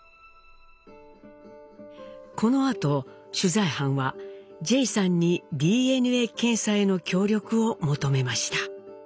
このあと取材班はジェイさんにＤＮＡ検査への協力を求めました。